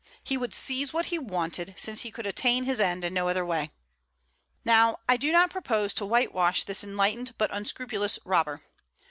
He would seize what he wanted, since he could attain his end in no other way. Now, I do not propose to whitewash this enlightened but unscrupulous robber.